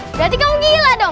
berarti kamu gila dong